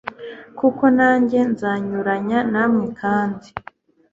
nuko nanjye nzanyuranya namwe kandi